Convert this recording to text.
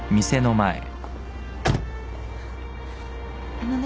あのね。